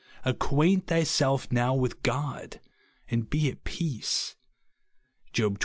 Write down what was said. "Acquaint thyself now with God, and be at peace, (Job xxii.